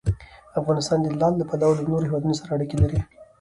افغانستان د لعل له پلوه له نورو هېوادونو سره اړیکې لري.